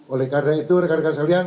oleh karena itu rekan rekan sekalian